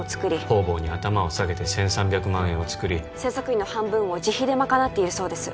方々に頭を下げて１３００万円をつくり製作費の半分を自費で賄っているそうです